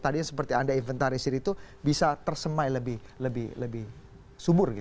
tadinya seperti anda inventarisir itu bisa tersema lebih subur